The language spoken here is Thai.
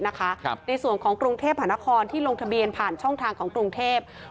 ในส่วนของกรุงเทพหานครที่ลงทะเบียนผ่านช่องทางของกรุงเทพ